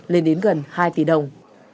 lên đến gần hai tỷ đồng